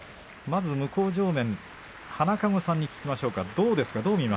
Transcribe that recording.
まず向正面の花籠さんに聞きましょう、どうですか。